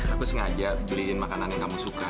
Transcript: aku sengaja beliin makanan yang kamu suka